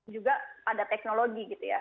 juga ada teknologi gitu ya